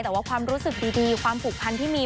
แต่ว่าความรู้สึกดีความผูกพันที่มี